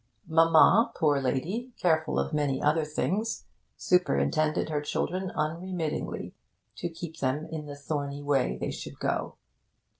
Mamma, poor lady, careful of many other things, superintended her children unremittingly, to keep them in the thorny way they should go.